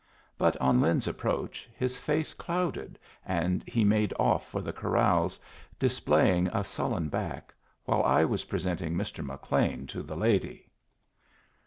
But on Lin's approach his face clouded, and he made off for the corrals, displaying a sullen back, while I was presenting Mr. McLean to the lady.